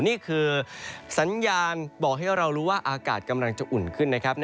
นี่คือสัญญาณบอกให้เรารู้ว่าอากาศกำลังจะอุ่นขึ้นนะครับ